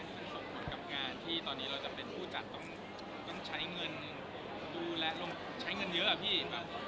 มันส่งผลกับงานที่ตอนนี้เราจะเป็นผู้จัดต้องใช้เงินดูแลลงใช้เงินเยอะอะพี่